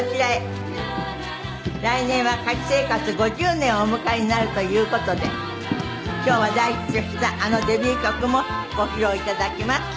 来年は歌手生活５０年をお迎えになるという事で今日は大ヒットしたあのデビュー曲もご披露頂きます。